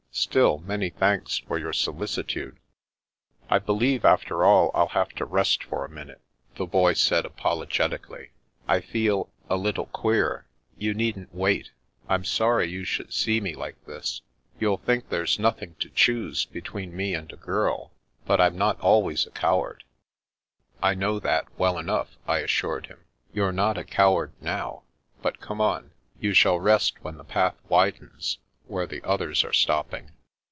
Still, many thanks for your solicitude." " I believe, after all, I'll have to rest for a minute," the Boy said apologetically. " I feel — a little queer. You needn't wait. I'm sorry you should see me like this. You'll think that there's nothing to choose between me and a girl. But I'm not always a coward." "I know that well enough," I assured him. " You're not a coward now. But come on. You shall rest when the path widens, where the others are stopping."